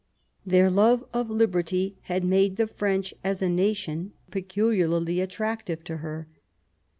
Their love of liberty had made the French, as a nation, peculiarly attractive to her.